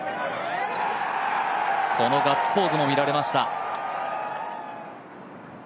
このガッツポーズも見られました。